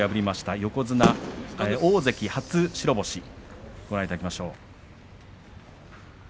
横綱、大関初白星ご覧いただきましょう。